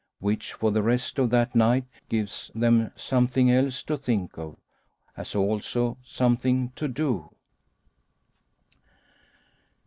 Which, for the rest of that night, gives them something else to think of, as also something to do.